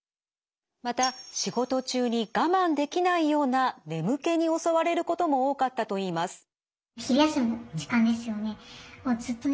また仕事中に我慢できないような眠気に襲われることも多かったといいます。